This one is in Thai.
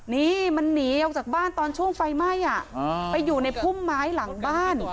นี่มันหนีออกจากบ้านตอนช่วงไฟไหม้ไปอยู่ในพุ่มไม้หลังบ้าน